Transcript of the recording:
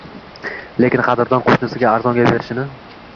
lekin qadrdon qoʻshnisiga arzonga berishini